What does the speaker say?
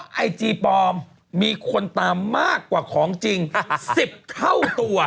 ไอจีปลอมมีคนตามมากกว่าของจริง๑๐เท่าตัว